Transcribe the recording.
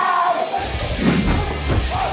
โอ้โฮ